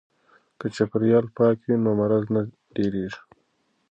که چاپیریال پاک وي نو مرض نه ډیریږي.